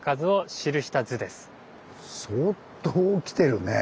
相当来てるね。